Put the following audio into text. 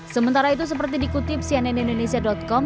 sementara itu seperti dikutip cnnindonesia com